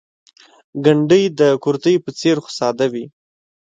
ګنډۍ د کورتۍ په څېر خو ساده وي.